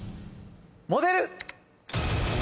モデル！